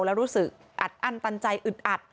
และรู้สึกอัดอั้นตันใจอึดอัด